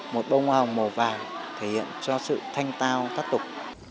một bông hồng màu vàng thể hiện cho sự thanh tao tác tục